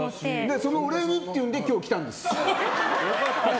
そのお礼にっていうんで今日、来たんです。